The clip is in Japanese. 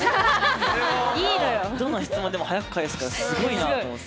どの質問でも早く返すからすごいなと思って。